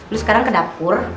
lu sekarang ke dapur